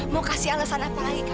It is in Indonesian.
mau kasih alasan apa lagi kak